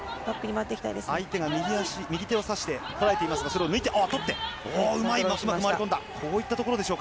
相手が右手を差してこらえていますがそれを抜いて取ってこういったところでしょうか。